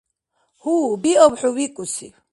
Гьу, биаб хӀу викӀуси.